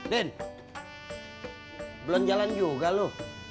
din belum jalan juga lu